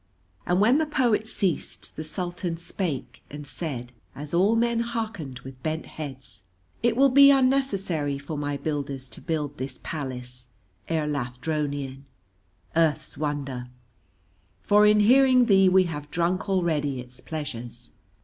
And when the poet ceased the Sultan spake, and said, as all men hearkened with bent heads: "It will be unnecessary for my builders to build this palace, Erlathdronion, Earth's Wonder, for in hearing thee we have drunk already its pleasures."